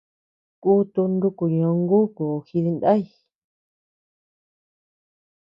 Kutu nuku ñonguku jidinday.